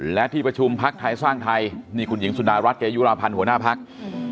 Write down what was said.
และที่ประชุมพักไทยสร้างไทยนี่คุณหญิงสุดารัฐเกยุราพันธ์หัวหน้าพัก